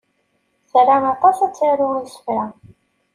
Tra aṭas ad taru isefra.